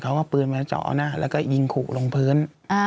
เขาเอาปืนมาเจาะหน้าแล้วก็ยิงขู่ลงพื้น